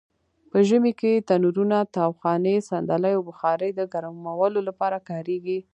په ژمې کې تنرونه؛ تاوخانې؛ صندلۍ او بخارۍ د ګرمولو لپاره کاریږي.